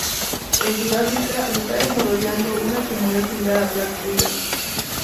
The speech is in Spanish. En Sudáfrica se está desarrollando una comunidad similar a "Black Twitter".